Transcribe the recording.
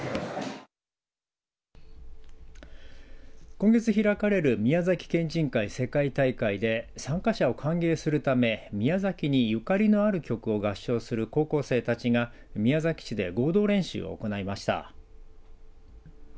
今月開かれる宮崎県人会世界大会で参加者を歓迎するため宮崎にゆかりのある曲を合唱する高校生たちが宮崎市で合同練習を行いました。